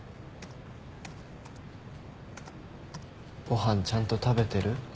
ご飯ちゃんと食べてる？